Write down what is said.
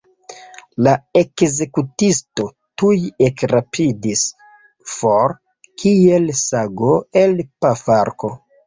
La ekzekutisto tuj ekrapidis for, kiel sago el pafarko.